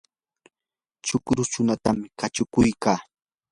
chukru chunutam kachuykaa.